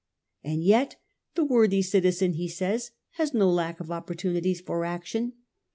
And yet the worthy citizen, he says, has no lack of opportunities for action.